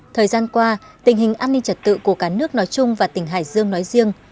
thời gian qua tình hình an ninh trật tự của cả nước nói chung và tỉnh hải dương nói riêng